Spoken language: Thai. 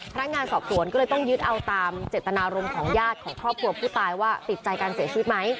พนักงานสอบสวนก็เลยต้องยึดเอาตามเจตนารมณ์ของญาติของครอบครัวผู้ตายว่าติดใจการเสียชีวิตไหม